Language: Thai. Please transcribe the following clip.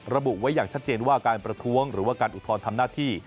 ระบุไว้อย่างชัดเจนว่าการประท้วงหรือว่าการอุทธรณ์ทำหน้าที่